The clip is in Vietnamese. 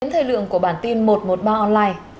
đến thời lượng của bản tin một trăm một mươi ba online